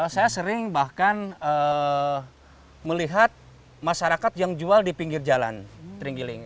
saya sering bahkan melihat masyarakat yang jual di pinggir jalan terenggiling